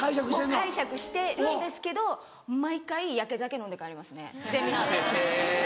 解釈してるんですけど毎回やけ酒飲んで帰りますねゼミの後は。